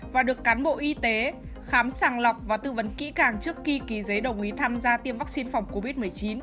và được cán bộ y tế khám sàng lọc và tư vấn kỹ càng trước khi ký giấy đồng ý tham gia tiêm vaccine phòng covid một mươi chín